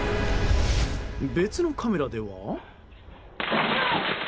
別のカメラでは。